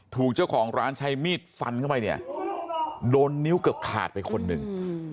ถูกเจ้าของร้านใช้มีดฟันเข้าไปเนี่ยโดนนิ้วเกือบขาดไปคนหนึ่ง